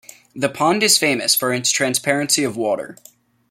The pond is famous for its transparency of water.